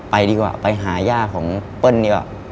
ดีกว่าไปหาย่าของเปิ้ลดีกว่า